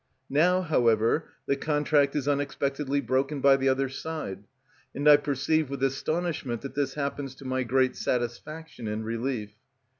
Now, however, the contract is unexpectedly broken by the other side, and I perceive with astonishment that this happens to my great satisfaction and relief.